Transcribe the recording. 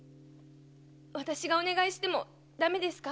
私がお願いしてもだめですか。